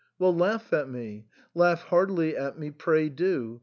" Well, laugh at me, laugh heartily at me, pray do.